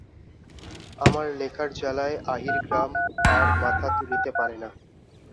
আমার লেখার জ্বালায় আহিরগ্রাম আর মাথা তুলিতে পারে না।